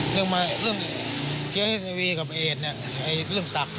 เรื่องมาเรื่องเทียร์เฮสไอวีกับเอดเรื่องศักดิ์